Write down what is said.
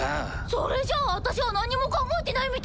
それじゃあ私は何も考えてないみたいじゃん！